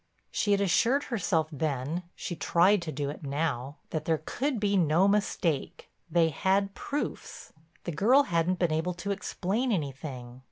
She had assured herself then—she tried to do it now—that there could be no mistake, they had proofs, the girl hadn't been able to explain anything.